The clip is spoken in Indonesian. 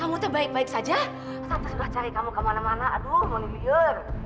kamu teh baik baik saja tante sudah cari kamu kemana mana aduh mau nih biur